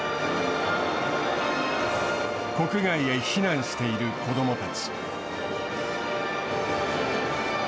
国外へ避難している子どもたち。